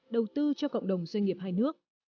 đầu tư cho cộng đồng doanh nghiệp hai nước